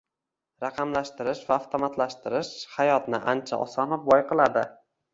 Raqamlashtirish va avtomatlashtirish hayotni ancha oson va boy qiladi